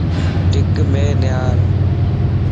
ٽکَ مَ نارَ